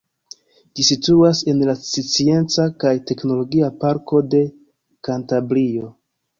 Ĝi situas en la Scienca kaj Teknologia Parko de Kantabrio.